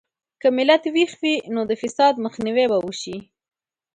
که ملت ویښ وي، نو د فساد مخنیوی به وشي.